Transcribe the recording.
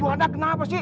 tuhan kenapa sih